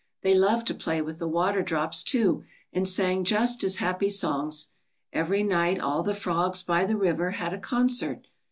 They loved to play with the water drops, too^ and sang just as happy songs. Every night all the frogs by the river had a concert.